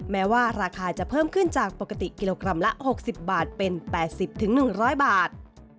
แม้ว่าราคาจะเพิ่มขึ้นจากปกติกิโลกรัมละ๖๐บาทเป็น๘๐๑๐๐บาท